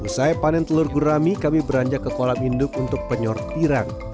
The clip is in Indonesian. usai panen telur gurami kami beranjak ke kolam induk untuk penyor tirang